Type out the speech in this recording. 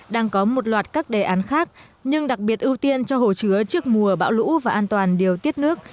đang có một loạt các đề án khác nhưng đặc biệt ưu tiên cho hồ chứa trước mùa bão lũ và an toàn điều tiết nước